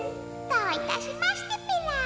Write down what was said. どういたしましてペラ。